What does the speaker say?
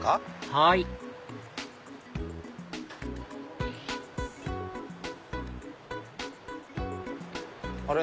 はいあれ？